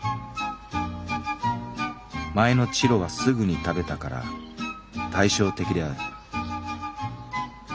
前のチロはすぐに食べたから対照的である」。